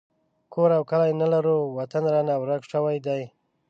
کور او کلی نه لرو وطن رانه ورک شوی دی